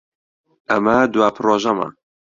ئەمە دوا پرۆژەمە.